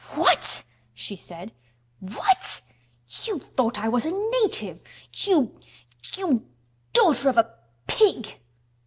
"What!" she said. "What! You thought I was a native. You—you daughter of a pig!"